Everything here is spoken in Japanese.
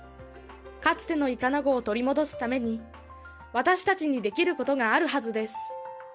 かつてのイカナゴを取り戻すために私たちにできることがあるはずです。